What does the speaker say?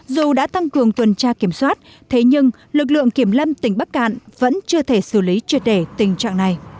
dù đã tăng cường tuần tra kiểm soát thế nhưng lực lượng kiểm lâm tỉnh bắc cạn vẫn chưa thể xử lý triệt đề tình trạng này